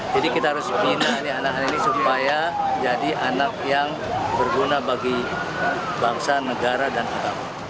jadi kita harus pembinaan anak anak ini supaya jadi anak yang berguna bagi bangsa negara dan agama